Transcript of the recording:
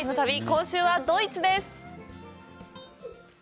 今週はドイツです。